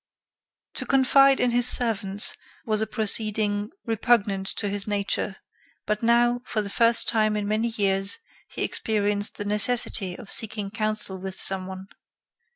To confide in his servants was a proceeding repugnant to his nature; but now, for the first time in many years, he experienced the necessity of seeking counsel with some one.